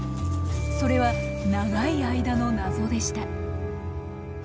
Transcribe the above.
それは長い間の謎でした。